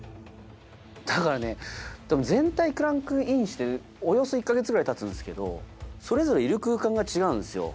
だからね全体クランクインしておよそ１か月ぐらいたつんですけどそれぞれいる空間が違うんですよ。